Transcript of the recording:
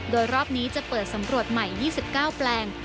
โดยรอบนี้จะเปิดสำรวจใหม่๒๙แปลง